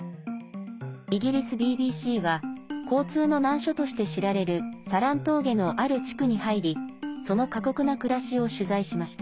イギリスＢＢＣは交通の難所として知られるサラン峠の、ある地区に入りその過酷な暮らしを取材しました。